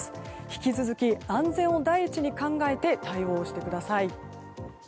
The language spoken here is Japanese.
引き続き安全を第一に考えて対応してください。